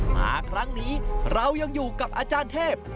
มาครั้งนี้เรายังอยู่กับอาจารย์เทพ